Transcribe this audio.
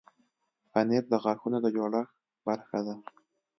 پنېر د غاښونو د جوړښت برخه ده.